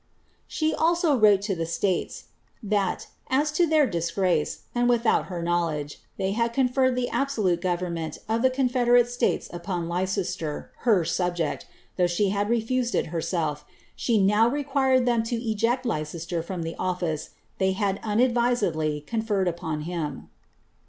'*' Jso wrote to the states, '^ that, as to their disgrace, and without »wledge, they had conferred the absohite government of the con states upon Leicester, her subject, though she had refused it she now required them to eject Leicester from the office they tdvisedly conferred upon him."